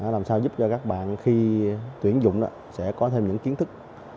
làm sao giúp cho các bạn khi tuyển dụng sẽ có thêm những kiến thức